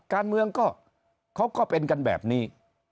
การเมืองก็เขาก็เป็นกันแบบนี้